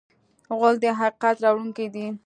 غول د حقیقت راوړونکی دی.